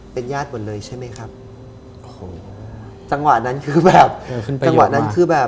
เป็นญาติหมดเลยใช่ไหมครับโอ้โหจังหวะนั้นคือแบบจังหวะนั้นคือแบบ